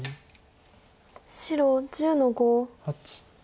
白１０の五。